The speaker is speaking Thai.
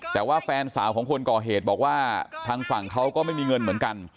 แต่ว่าแฟนสาวของคนก่อเหตุบอกว่าทางฝั่งเขาก็ไม่มีเงินเหมือนกัน